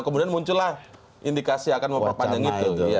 kemudian muncul lah indikasi akan wacana itu